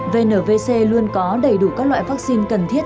vnvc luôn có đầy đủ các loại vaccine cần thiết